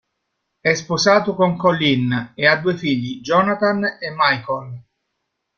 È sposato con Colleen e ha due figli, Jonathan e Michael.